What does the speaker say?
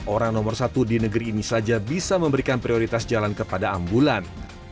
orang nomor satu di negeri ini saja bisa memberikan prioritas jalan kepada ambulan